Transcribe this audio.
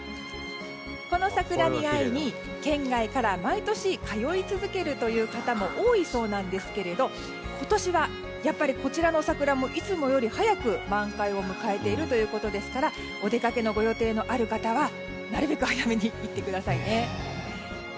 この桜に会いに、県外から毎年通い続けるという方も多いそうなんですけども今年はやっぱりこちらの桜もいつもより早く満開を迎えているということですからお出かけのご予定のある方はなるべく早めに行ってくださいね。